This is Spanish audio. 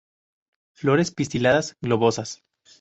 Flores pistiladas globosas.